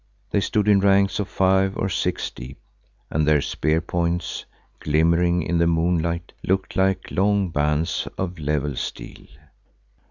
They stood in ranks of five or six deep and their spear points glimmering in the moonlight looked like long bands of level steel.